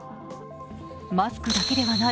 マスクだけではない。